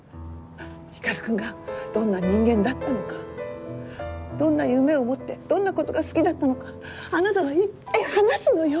光くんがどんな人間だったのかどんな夢を持ってどんな事が好きだったのかあなたがいっぱい話すのよ！